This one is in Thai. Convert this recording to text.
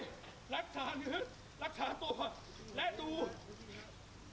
เพราะฉะนั้นเราก็ให้ความเป็นธรรมทุกคนอยู่แล้วนะครับ